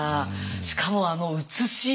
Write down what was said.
しかもあの写し。